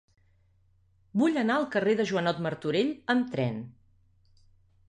Vull anar al carrer de Joanot Martorell amb tren.